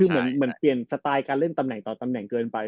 คือเหมือนเปลี่ยนสไตล์การเล่นตำแหน่งต่อตำแหน่งเกินไป